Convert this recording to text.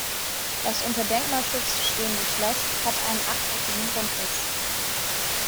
Das unter Denkmalschutz stehende Schloss hat einen achteckigen Grundriss.